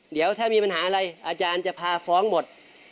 เดี๋ยวถ้ามีปัญหาอะไรอาจารย์จะพาฟ้องหมด